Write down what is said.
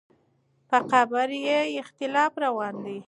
په قبر یې اختلاف روان دی.